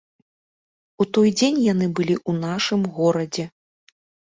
У той дзень яны былі ў нашым горадзе.